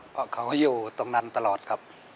เพราะเขาอยู่ตรงนั้นตลอดครับ